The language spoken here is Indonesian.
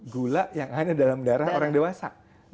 gula yang hanya dalam darah orang dewasa